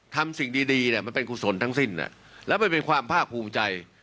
ทำสิ่งดีเนี่ยมันเป็นกุศลทั้งสิ้นแล้วมันเป็นความภาคภูมิใจ